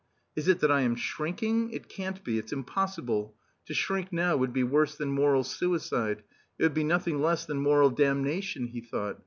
"Is it that I am shrinking? It can't be! It's impossible. To shrink now would be worse than moral suicide; it would be nothing less than moral damnation," he thought.